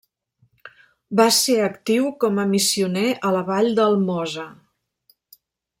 Va ser actiu com a missioner a la vall del Mosa.